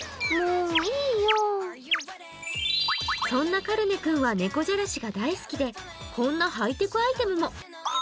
そんなカルネ君は猫じゃらしが大好きでこんなハイテクアイテムも。